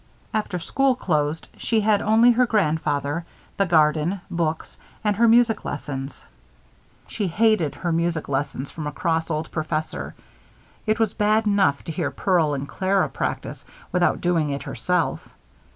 After school closed, she had only her grandfather, the garden, books, and her music lessons. She hated her music lessons from a cross old professor. It was bad enough to hear Pearl and Clara practice, without doing it herself.